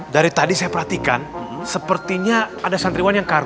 dari tadi saya perhatikan sepertinya ada santriwan yang karu